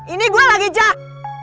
ini gua lagi cak